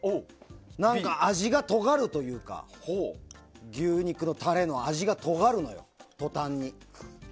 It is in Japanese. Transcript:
何か味がとがるというか牛肉のタレの味がとがるのよ、とたんに。